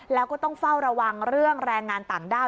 แล้วก็ต้องเฝ้าระวังเรื่องแรงงานต่างด้าว